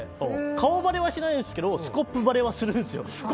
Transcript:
顔バレはしないですけどスコップバレはするんですよ。